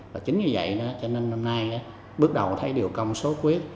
và chính như vậy cho nên năm nay bước đầu thấy điều công sốt huyết